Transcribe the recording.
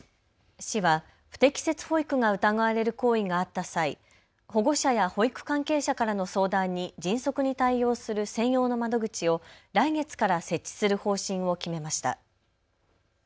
市は不適切保育が疑われる行為があった際、保護者や保育関係者からの相談に迅速に対応する専用の窓口を来月から設置する方針を決めました。